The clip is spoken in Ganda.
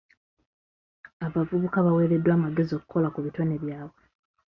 Abavubuka baweereddwa amagezi okukola ku bitone byabwe.